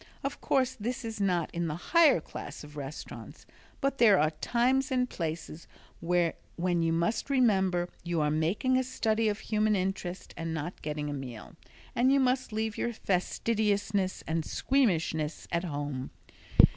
Of course this is not in the higher class of restaurants, but there are times and places when you must remember you are making a study of human interest and not getting a meal, and you must leave your fastidiousness and squeamishness at home.